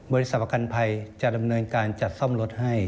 ประกันภัยจะดำเนินการจัดซ่อมรถให้